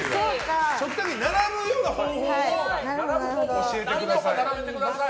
食卓に並ぶような方法を教えてください。